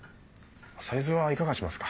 サイズはいかがしますか？